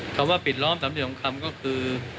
คำว่าปิดล้อมสามเหลี่ยมทองคำก็คือ